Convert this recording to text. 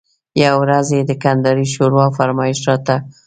یوه ورځ یې د کندارۍ ښوروا فرمایش راته وکړ.